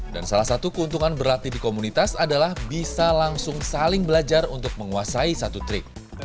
salah satu keuntungan berlatih di komunitas adalah bisa langsung saling belajar untuk menguasai satu trik